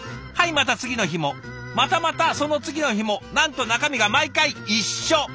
また次の日もまたまたその次の日もなんと中身が毎回一緒。